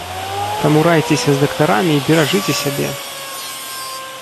Таму райцеся з дактарамі і беражыце сябе!